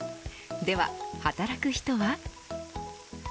では、働く人は。